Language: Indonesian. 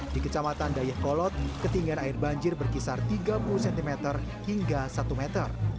di kecamatan dayakolot ketinggian air banjir berkisar tiga puluh cm hingga satu meter